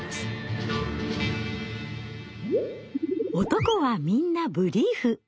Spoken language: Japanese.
男はみんなブリーフ。